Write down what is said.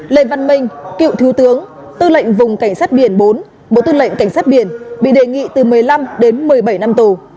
lê văn minh cựu thiếu tướng tư lệnh vùng cảnh sát biển bốn bộ tư lệnh cảnh sát biển bị đề nghị từ một mươi năm đến một mươi bảy năm tù